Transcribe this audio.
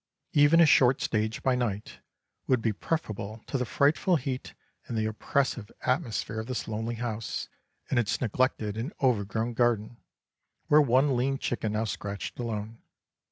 Even a short stage by night would be preferable to the frightful heat and the oppressive atmosphere of this lonely house, in its neglected and overgrown garden, where one lean chicken now scratched alone.